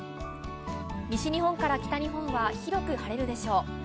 西日本から北日本は広く晴れるでしょう。